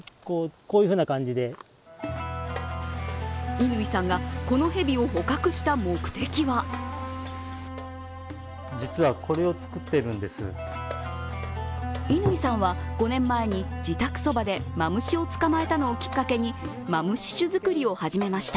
乾さんがこの蛇を捕獲した目的は乾さんは５年前に自宅そばでマムシを捕まえたのをきっかけにマムシ酒造りを始めました。